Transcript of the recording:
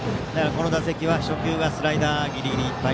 この打席は初球がスライダーギリギリいっぱい。